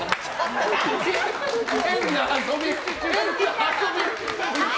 変な遊び。